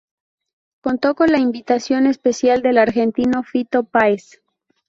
Contó con la invitación especial del argentino Fito Páez.